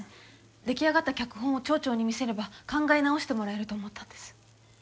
出来上がった脚本を町長に見せれば考え直してもらえると思ったんです。